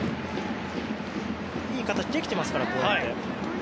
いい形できてますから。